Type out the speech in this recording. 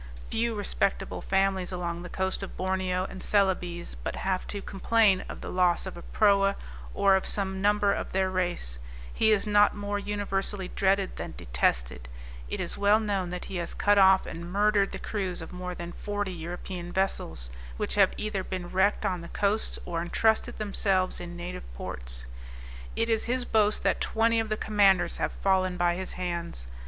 Few respectable families along the coast of Borneo and Celebes but have to complain of the loss of a proa, or of some number of their race; he is not more universally dreaded than detested; it is well known that he has cut off and murdered the crews of more than forty European vessels, which have either been wrecked on the coasts, or entrusted themselves in native ports. It is his boast that twenty of the commanders have fallen by his hands.